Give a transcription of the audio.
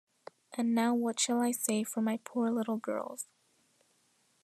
And now what shall I say for my poor little girls?